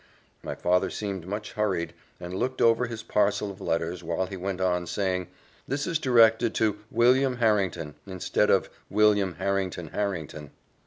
My father seemed much hurried, and looked over his parcel of letters, while he went on, saying, "This is directed to William Harrington, instead of William Harrington Harrington.